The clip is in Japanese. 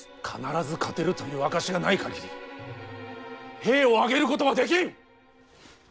必ず勝てるという証しがない限り兵を挙げることはできん！